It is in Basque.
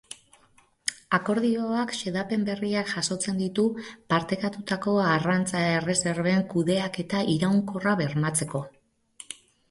Akordioak xedapen berriak jasotzen ditu partekatutako arrantza erreserben kudeaketa iraunkorra bermatzeko.